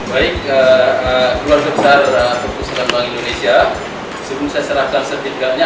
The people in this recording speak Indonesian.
baik duluan besar perpustakaan bank indonesia sebelum saya serahkan sertifikannya